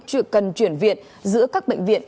chuyện cần chuyển viện giữa các bệnh viện